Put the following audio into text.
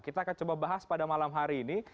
kita akan coba bahas pada malam hari ini